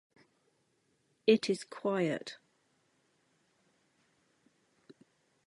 It is quiet.